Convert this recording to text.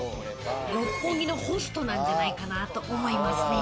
六本木のホストなんじゃないかなと思いますね。